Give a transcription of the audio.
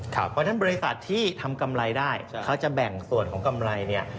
เพราะฉะนั้นบริษัทที่ทำกำไรได้เขาจะแบ่งส่วนของกำไรเนี่ย